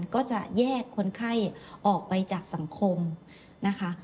ก็จะแยกคนไข้ออกไปจากสังคมนะคะ